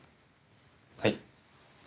はい。